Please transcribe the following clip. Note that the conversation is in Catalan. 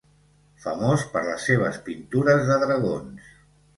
Famós per les seves pintures de dragons.